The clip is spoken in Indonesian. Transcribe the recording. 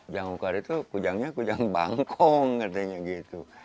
jangkar itu kujangnya kujang bangkong katanya gitu